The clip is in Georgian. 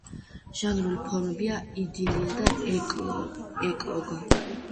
ჟანრული ფორმებია იდილია და ეკლოგა.